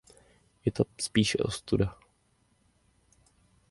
Je to spíše ostuda.